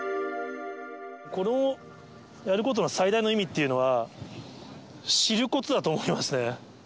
このやることの最大の意味っていうのは、知ることだと思いますね。